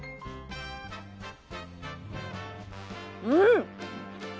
うん！